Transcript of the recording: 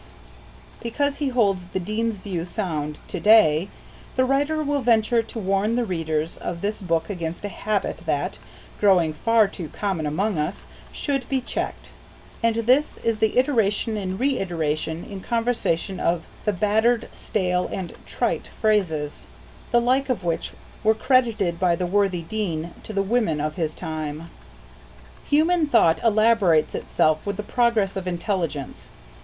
Because he holds the Dean's view sound to day, the writer will venture to warn the readers of this book against a habit that, growing far too common among us, should be checked, and this is the iteration and reiteration in conversation of "the battered, stale, and trite" phrases, the like of which were credited by the worthy Dean to the women of his time. Human thought elaborates itself with the progress of intelligence.